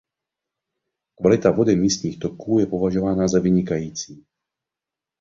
Kvalita vody místních toků je považována za vynikající.